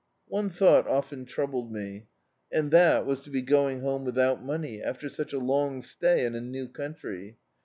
One thought often troubled me, and that was to be going home without money, after such ' a long stay in a new country.